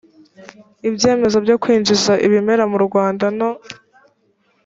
ibyemezo byo kwinjiza ibimera mu rwanda no